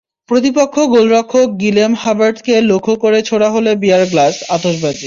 প্রতিপক্ষ গোলরক্ষক গিলেম হাবার্তকে লক্ষ্য করে ছোড়া হলো বিয়ারের গ্লাস, আতশবাজি।